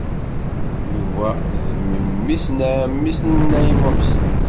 Yuba d memmi-s n ɛemmi-s n Naɛima u Ḥsen.